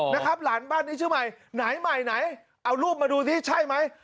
นะครับหลานบ้านนี้ชื่อใหม่ไหนใหม่ไหนเอารูปมาดูสิใช่ไหม